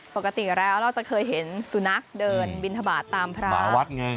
ปกติแล้วเราจะเคยเห็นสุนัขเดินบินทบาทตามพระวัดไง